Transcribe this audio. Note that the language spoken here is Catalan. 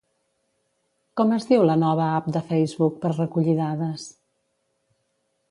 Com es diu la nova app de Facebook per recollir dades?